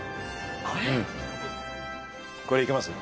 これでいけます？